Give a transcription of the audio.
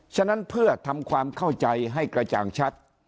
ฉะนั้นเพื่อทำความเข้าใจให้กระจ่างชัด